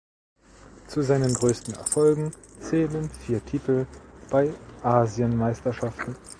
Zu seinen größten Erfolgen zählen vier Titel bei Asienmeisterschaften.